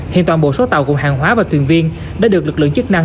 hiện toàn bộ số tàu gồm hàng hóa và thuyền viên đã được lực lượng chức năng